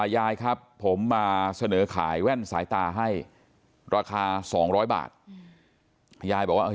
ยายครับผมมาเสนอขายแว่นสายตาให้ราคา๒๐๐บาทยายบอกว่า